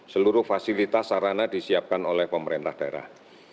seluruh fasilitas sarana disiapkan oleh pemerintah daerah